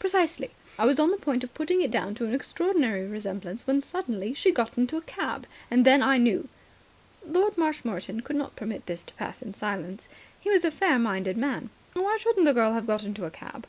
"Precisely. I was on the point of putting it down to an extraordinary resemblance, when suddenly she got into a cab. Then I knew." Lord Marshmoreton could not permit this to pass in silence. He was a fair minded man. "Why shouldn't the girl have got into a cab?